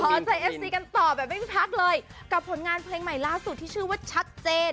ใส่เอฟซีกันต่อแบบไม่มีพักเลยกับผลงานเพลงใหม่ล่าสุดที่ชื่อว่าชัดเจน